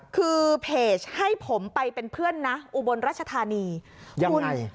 คือเพจให้ผมไปเป็นเพื่อนนะอุบลรัชธานีคุณ